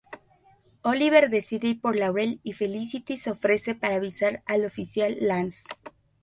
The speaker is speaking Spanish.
Oliver decide ir por Laurel y Felicity se ofrece para avisar al oficial Lance.